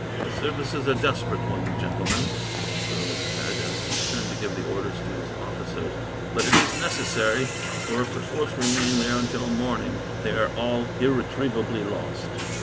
"The service is a desperate one, gentlemen," Berwick said, as he turned to give the orders to his officers, "but it is necessary, for if the force remain there until morning, they are all irretrievably lost.